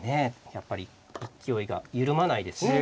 やっぱり勢いが緩まないですね